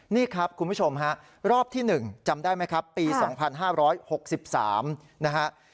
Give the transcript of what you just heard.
นี่ครับคุณผู้ชมฮะรอบที่๑จำได้ไหมครับปี๒๕๖๓นะฮะ